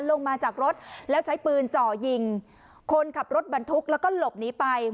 ลงมาจากรถแล้วใช้ปืนจ่อยิงคนขับรถบรรทุกแล้วก็หลบหนีไป